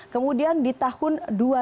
kemudian di tahun dua ribu lima belas